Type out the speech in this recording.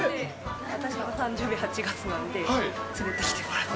私の誕生日８月なので、連れてきてもらった。